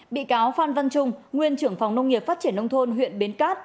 bị cáo phan văn trung nguyên trưởng phòng nông nghiệp phát triển nông thôn huyện bến cát